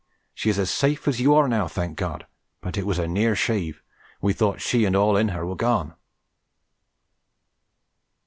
She is as safe as you are now, thank God; but it was a near shave, and we thought she and all in her were gone."